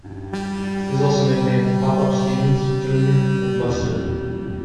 He was also nicknamed "Pop-up Stephens", "Junior", and "Buster".